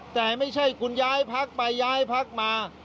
แต่ไม่ใช่คุณย้ายพักไปย้ายพักมา